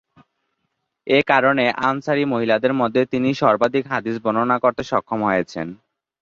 এ কারণে আনসারী মহিলাদের মধ্যে তিনি সর্বাধিক হাদীস বর্ণনা করতে সক্ষম হয়েছেন।